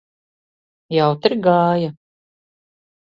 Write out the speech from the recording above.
Jautri gāja?